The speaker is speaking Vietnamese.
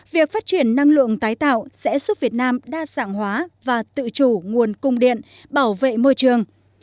việc phát triển năng lượng tái tạo sẽ giúp việt nam đa dạng hóa và tự chủ nguồn cung điện bảo vệ môi trường